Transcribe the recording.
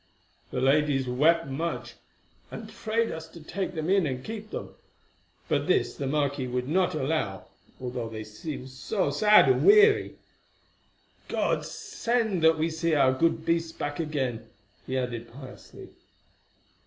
The ladies wept much, and prayed us to take them in and keep them; but this the marquis would not allow, although they seemed so sad and weary. God send that we see our good beasts back again," he added piously.